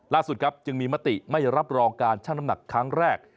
ล่าสุดครับจึงมีมติไม่รับรองการชั่งน้ำหนักครั้งแรก